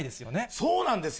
そうなんですよ。